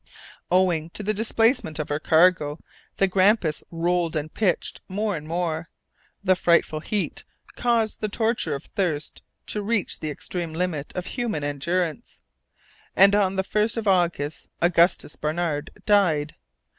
Owing to the displacement of her cargo the Grampus rolled and pitched more and more. The frightful heat caused the torture of thirst to reach the extreme limit of human endurance, and on the 1st of August, Augustus Barnard died.